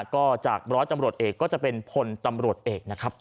ก็จากร้อยตำรวจเอกก็จะเป็นพลตำรวจเอกนะครับ